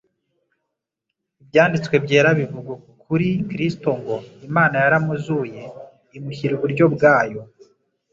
Ibyanditswe Byera bivuga kuri Kristo ngo : "Imana yaramuzuye imushyira iburyo bwayo,